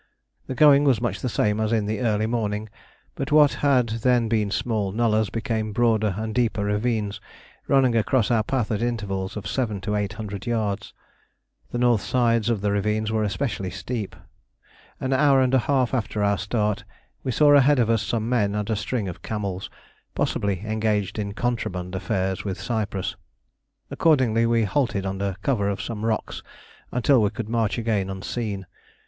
The going was much the same as in the early morning, but what had then been small nullahs became broader and deeper ravines, running across our path at intervals of seven to eight hundred yards. The north sides of the ravines were especially steep. An hour and a half after our start we saw ahead of us some men and a string of camels, possibly engaged in contraband affairs with Cyprus. Accordingly we halted under cover of some rocks until we could march again unseen.